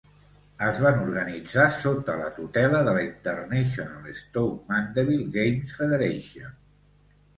Es van organitzar sota la tutela de la International Stoke Mandeville Games Federation.